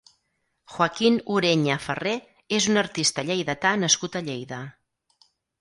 Joaquín Ureña Ferrer és un artista lleidatà nascut a Lleida.